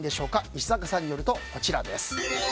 石阪さんによるとこちら。